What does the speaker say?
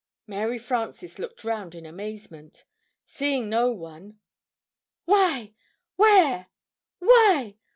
"] Mary Frances looked round in amazement. Seeing no one, "Why, where?